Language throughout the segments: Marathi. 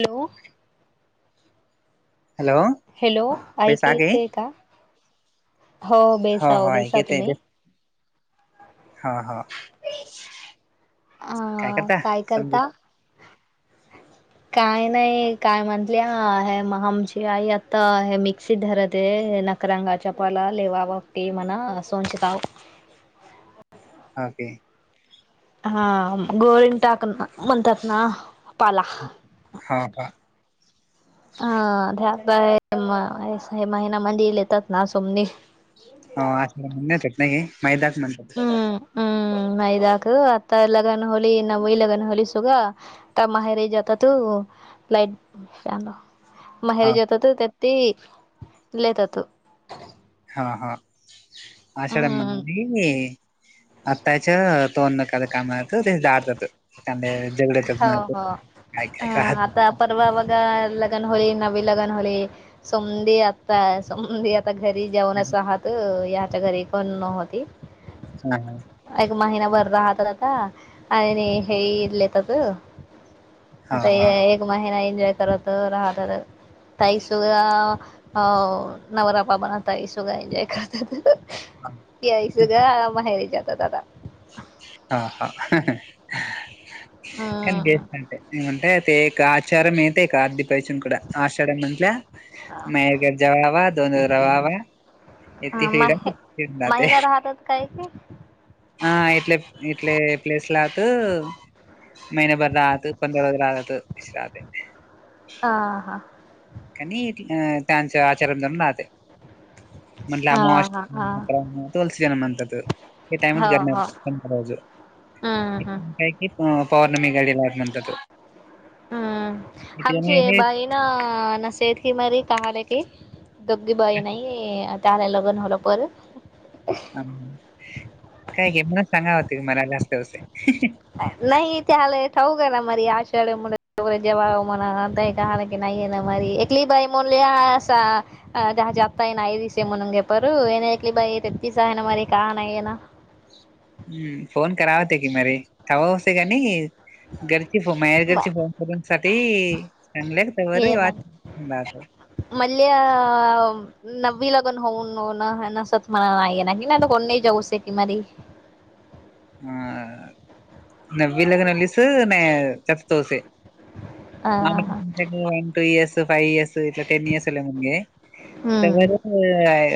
हॅलो हॅलो हॅलो बेस ऐक आगे येते का हो हो बेसाओ हो ऐक बेसा तुम्ही हा हा अ काय करता समजू काय नाही काय म्हटले हे मग आमची आई आता हे मिक्सी धरत आहे न रंगाच्या पला लेवावां ते मना सोचितव ओके हा गोरन टाकन म्हतात ना पला हा का ह त्या महिनामध्येध्ये येतात ना सोमनी हो आ म्हण येतात नाही मैदाक म्हणतात हम्म यद हकू आता लगन होली न मई लगन होली सुग त्या माहेरे जात तो लाईट पल हो महेरज होतात तेती लेतात हा हा अशाढ हम्म म्हणे आताच्या तोनक कामत दारतात हो हो ह आता परवा व लगन होळी नवी लगन होली सधी आता सधी आ आता घरी जाऊनच नाही. आहात याच्या घरी पण नव्हती हा हा एक महिनाभर राहतात आता आणि हेलेेतात हा आता हा एक महिना एन्जॉय करत राहत ताई सुधा अ नवरापा बनताई सुोगा एन्जॉय करतात हां सग माहेरी जाताताता हा हा ख ग हम्म अमटे आ तेका आचारमेत आर्दी पच आषाढा म्हंटल्या मयरर जवावा दोन रवावा येथे हा फिड माहि फिरून महिना राहतात काय की हाले इटले प्लेस लात महिनाभर राहत पंधरा वाज राहतात राहत ह हा काणी त्यांच्या आचार दो राते म्हटलं अमाष्ट हा हा हा तुलसी जन म्हणतात हे टामच हो हो घणारणारजो हम्म हम्म काय ह पौर्णममी गडलाारनंतु हम्म हमची हे बाई ना ना सेत की मरी काहाले क दगदीी बाई नाही त्याला लग्न होलं परत हम काय ग म्हण सांगा होत की मला जास्तवस नाही तेले ठवऊ का ना म आषाढी मु जे म्हणा नाही की नाहीय ना म एकली बाई म्हणलीा अ त्याज आता येई ना य दिसेय म्हण घे पर न येऐकली बाई ते तिस आहे ना मरी काहा नाहीय ना हम्म फोन करावते की मर वावते काणी घरची फो मायार घरची फोन करूनसाठी चांगल्या कावरर वा हच मल नवी लगन होऊन नसत मला नाही नाही ना कोण नाही जाऊ शेटी मरी ह नवीलग नलीस न चत तोस अ, व टू इयर्स फाईव इयर्स इ टनी अस मणे तर... हम्म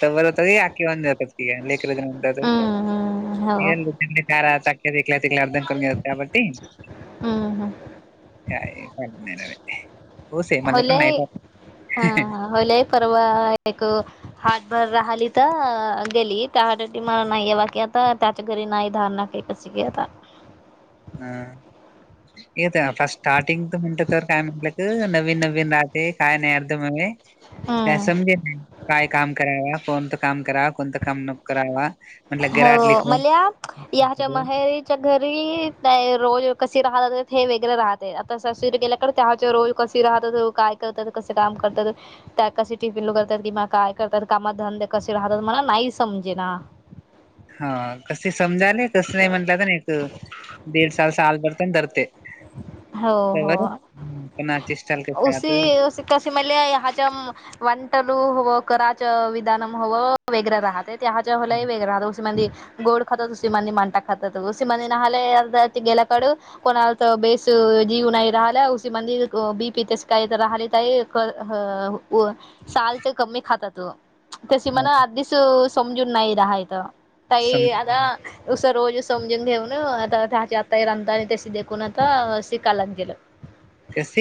किवा जाताती लेकर म्हत... हम्म हम्म, हो काय राक तिकला अर्दन करून घेत त्यावर... हम्म हम्म. का का मलले.. होले हा होले पर्व एकको... हाटभर राहिली तर गेली त्या हटा मला नाही आहे बाकीी आता त्याच्या घरी नाही धारणा का.. अचिक आता.. ह येत फ स्टार्टिंग तर म्हणत.... काय म्हटलं क नवीन नवीन राहते काय नाही अर्ध म काय हम्म समजे.... काय काम कराव कोणतं काम कराव कोणतं काम न कराव... हो मल्या हच्या माहेरीत.... च्या घरी रोज कशी राहतात ते वेगैरे राहते आता सर गेल्या..... रोज कसे राहतात काय करतात कसे काम करतात त्या कसे टिपिलू करतात किंवा काय करतात कामात धंदे कसे राहतात मला नाही समजे ना..... हा कसे समजाले कस नाही म्हंटलं तर ना एक दीड सल सा आलबरताना धरते... हो खबर हो प नाची सल क त.... तसे म्हणले ह्याच्या वंटलू हवं कराच विधानम हवं वगैरे राहत हच्याला वेगळाव म्हे गोड तु म्हणता खात त गेल्याकडू कोणा तर बेस जीव नाहीय रा ह उी मंदिर बी पी तेसकाय रात व साल्ट कमी खातात त्याशी मणा अधीच समजून नाही राहायचं सम काई आता उसं रोज समजून घेऊन आता त्याची आताही राता आणि तसे देखून आता शिकायला गेलं कस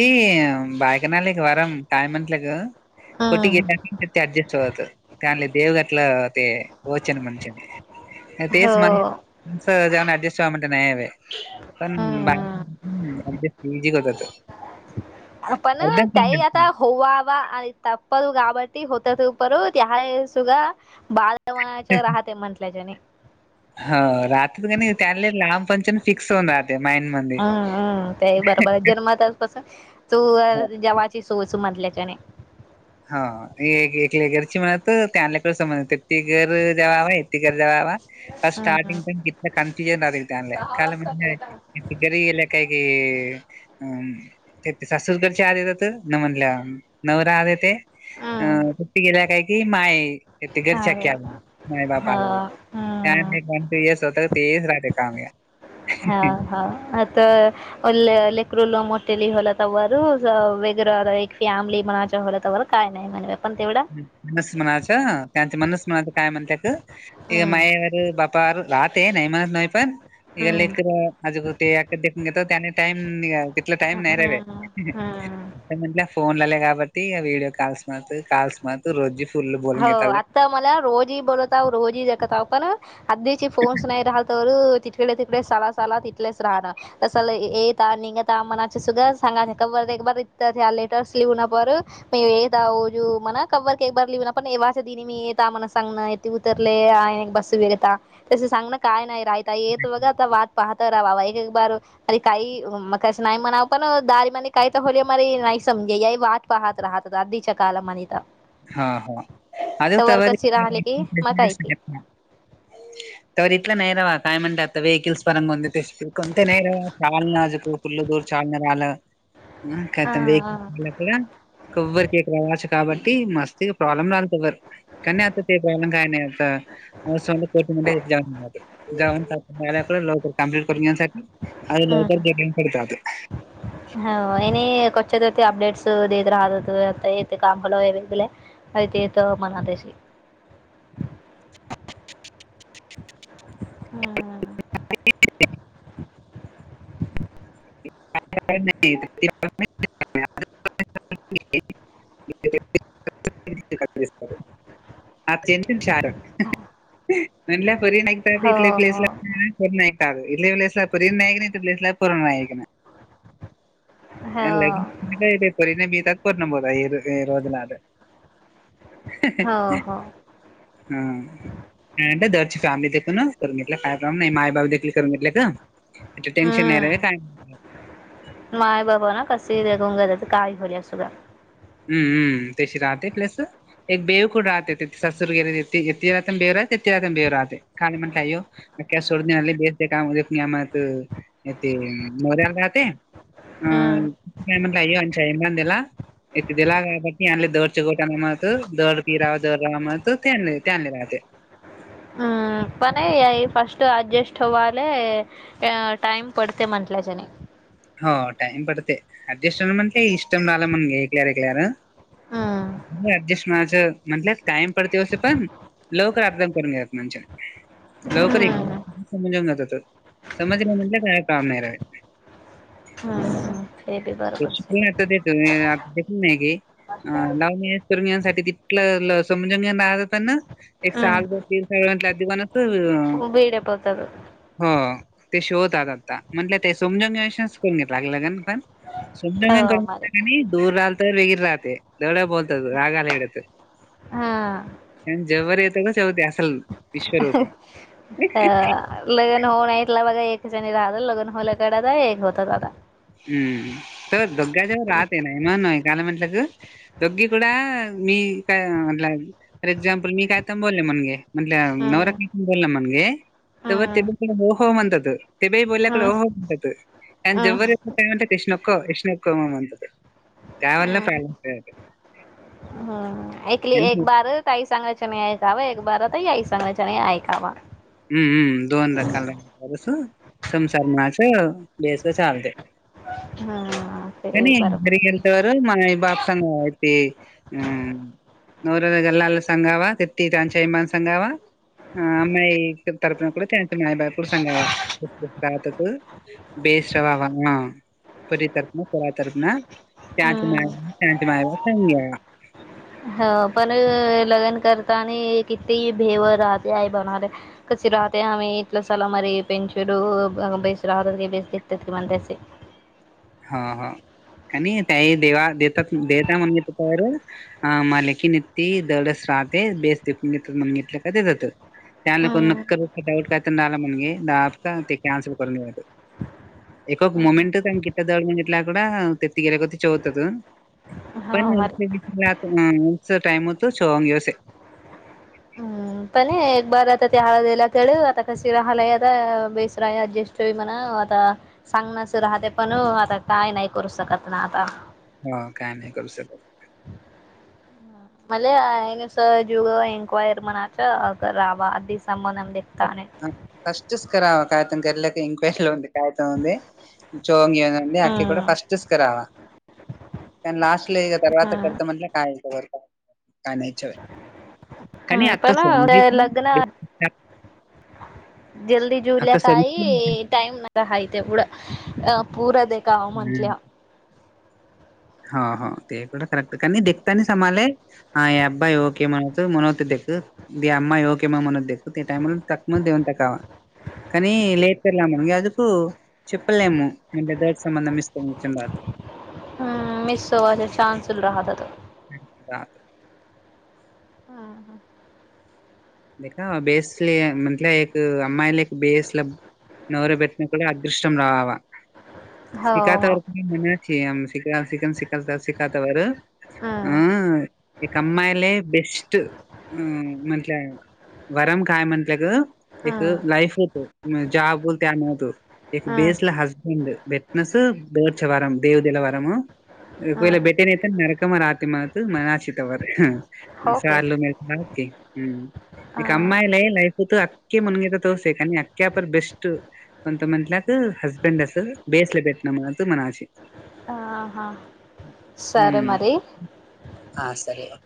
बायकना आला एक वारम काय म्हटलं ग कुठे हम्म गेला अडजस्ट आवत दनला द देव गटला ते होचन म्हणषनी तेच हो जवण अडजस्ट नाही हवे पण बाहेरजस्ट जी करतात पण त्याही आता होवावा आणि तपत काबटी होत तूपर त्याहासग बा मना राहते म्हंटल्याच्याने हो रात्री काणी त्याले लांब पंचन फिक्स होऊन राहत हम्म हम् तेई बर बर जन मात स तू हो जेवाची सोच मधल्याच्याने ह एक घरची म्हणत त्यां आणल्याकडे स म्हज ती घर दवावा य ती घर दवावा ब हम्म स्टार्टिंग प क कनफ्युजन राह त्या का म्हण खिदारी येले काग अ सासूसगडच्या आधेतात न म्हणल्या नवरा आ ते अ हम्म क्टी गेला काय कि माय त हा घरच्याक्या माय बापावर त्या हम्म एक वन टू इयर्स होत तेज राहते काम या हा हा आता ल् लेकर्र ल मोटेली हलातवर वेैर एक फॅमिली मनाजलातवर काय नाही म्हणूया पण तेवढं मनुस म्हनाचं त्याच मनूस म्हनाचं काय म्हणतय का हम्म माय बापार रात नैमन नैफन इ गल हम्म इतर अजून ते अक देून घेत त्याने टाइम तिला टाइम नाही रव हम्म हम्म म्हला फोन ल का बाटी व्हडिओ कालस माात का म त रो फुल ब हो आता मला रोजही बोलत रोजी जगत आपण अधीची फोन नाही रा तिकडे तिकडे सला सला तिथलेच राहणं तसल येत निघत मनाचे सुद्धा सांगा ब इ लेटर्स लिहून ना पर म एकदावजु मना कव्र के बरलीव पण एव्हाच्या दिनी मी येत मला सांगण येथे उतरले आहे बसू वेगता तस सांगण काय नाही काता येत बघ आता वाट पाहत रावावा एक एक बार अरे काही मग कसं नाही म्हणाव पण दारी म काही तर होली म नाही समजे या वा पाहात राहतात अदीच्या कालम म्ह आणिता हा हा अज त कशी राहली की मकायकी तववर इला ला नैरवा काय म्हंार आता वहिककल्स परंगते ते कोते नैरवा चचाल नाजक फुल दूर चालणार आलं ह हा कायत हा वककड कोबरीकक रावाच काबट मस्त प्रॉब्लेम राहिलतर का नाही आता ते प्रॉब्लेम काय नाही आता स कों जाऊनकडे लवकर कमप्ट करून घण्यासाठी अे लवकर हम्म ज पडतात हो इ को अपडेटस देत राह येत कालवेगले अ ते तो मना देशी हम्म ह नाही आ जंत चार म्हणल्या परी नाहीकत हो इथले प्लेस हो ला नाहीय का इले पलेसला प्रर नायकन इ प्लेसला पुरणयकन हो लगेपरीने बी तातपर न बोला रोजना हो हो हा दरची फॅमिली देखील करून घेतलं काय प्र नाही माई बाबू देखील करून घेतलं का टनशन नाही हम्म का माय बाबा ना कस देघून घच काय होल सुधा हम्मम्म त्याशी राहते प्लस एक बेव कुड राहते तेि सासूर गेरेिे यती रातन बेव राहते य ती रातम बेऊ राहते काय म्हटलंयो अख्या सोडणे आले बेसते काम आम ते नऱ्याला राहते अि हम्म काय म्हटला ये अच्याबला य दिला काबट आंली दोडचोतंनामत दोडकीराव दोड रावमत त तेनली तेनली राते हम्म पणे अ फस्ट अडजस्ट आव्लेे अ टाइम पडते म्हंटल्याच्याने हो टाईम पडते अड्जस्ट हो म्हणे इष्टं रला म्हनग एकलर ए क्लर हम्म अड्जस्ट माच म्हंटलं कााईम पडते असस पण लवकर आरदम करून घात मणजला लवकर एक हम्म समजून जात समजलं म्हट काय काम नाही रावे हा हा शिक आता देतो नाही गे अ लाव ंगिसाठी तिथलं समजंग राहतातना एक साल हम्म तीन वेड पडतात हो ते शोतात आता म्हंटलं ते समज ून घेत लाग पण हो सून घ मरेच दूर राल तर वगर राह ते दवढ्या बोलतात रागानेडत हा जेववर येतो का शेवती असल विश्वरूपण अ लग्न होऊ नाहीतला बघा एक जणी राहलं लग्न होल्या कड एक होत दादा हम्म तर दोग्गा जेववर राहत आहे ना म्हय काल म्हटलं ग दडोग्गी क मी का म्हला फर एक्झाम्पल मी काय थांबोललं म्हण गे म्हटलं नवरा हम्म काय थांब बोलला म्हणगे तेवर हम्म तेब ओ हो म्हणतात तेबेही बोलल्याकडे हम्म ओ हो म्हणतात आणि जबवर हम्म कायमात कश्नोखो कष्नोखो ममात त्यावला पायलाे हम एकली एक बार त आई सांगायच्या नाही ऐकावं एक बार तई आई सांगाय नाही ऐकावां हम्मम्म दोन रकाल संमसारणाच बेस चालते हम्म ते कनी बरोबर घरी घरी कर मा बापसना अऐती हम्म नव गल्लाल संघावा तिर्ती तांचायमान संघावा अम्ई तरपन क त्याच्या मायबाब कड सग्यावा ततक बसरवा वा पररीतर्फ सोळा तर्फणा त्याच मळ हम्म त्या मळ्या सां आ ह पण लग्न करताना किती भेव राहते आहे बणाले खच राहते आम इटला सला मरी पचड बेस राहतात की बेस दितात की मण ह ह आणि त्याही देवा देतात देता म्हणूनेतयार अ माल की निितती दडच राहते बेस तखून घेतघितलं का ते जातं त्यानला कोणर हम्म डऊट कातं आला म्हनी दापका ते कॅनसल करराून एकोक मोमंट त किठ दौड म्हनटलाकड तेत् गेर कोती चवतात पण हो मर न विचार टाइम होतो छवाून घेवस पनी एक बार आता ते हळेला क आता कसी हलयद बेसराय अजस्ट त म्हणा आता सांगणस राहते पण आता काय नाही करू शकत ना आता हो काय नाही करू शकत मला आहेनस जीग एनक्वायर म्हणाच्यारावा अधी संबूनम फस्टकरावा कायतम गर्क इंक्वयरी ल काहीतम चोंगी अखकी क हम्म फस्टक रावा का लास्ट ल इ तर्त कत म्ह काय काय का नाहीयच्या का नाही हम्म आता पण सजीत लग्न ना जलदी जवल्या आता समजलं काही टाइम नाही य ते क अ पूरदे कावा म्हंटल्या हा हा तें खराब कार देखतानी समाालय हा अब्बाई ओके म मुनोत ते एक दे आम्मा होओके मग म्हणत ते टाइमला तक म देऊन टकावा काणी लट परला म्हनग अजक चपलेमु म्ह बदर्र संबंधम इतो मोचन रात हम्म मिस होवाचे चा्सल राहतात ह राहत हा हा देख बेसले म्हटलं एक अम्ईला एक बेस ला नवर बेटन कुड अदृष्टम रावावा हो हो शिकातवर मनाची आहे आमची क्लासिकन शिकवता शिकता बर् हम्म ह एक अम्माईला बेस्ट अ म्हंटलं वरम काय म्हटलं ग एक लाईफ होतो म्हे ज्या बोल त्या नव्हतो एक बेस ला हस्बेंड बेटनस बोच वरम देवदला वरमु कोला बेटेनेेत नरकम रात माहत मनाचीत तववर साल मिळता के हम्म एकका अम्ला आहे लाईफ अखे मुनगे तर तोसे आहेका आणि अक्यापर बेस्ट कोंतमंत लाख हस्बेंड असं बेस ला भटनाम अत मनाशी हम्म हा सर वा